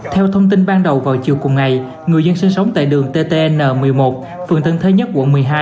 theo thông tin ban đầu vào chiều cùng ngày người dân sinh sống tại đường ttn một mươi một phường tân thới nhất quận một mươi hai